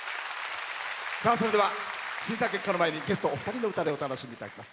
それでは、審査結果の前にゲストお二人の歌でお楽しみいただきます。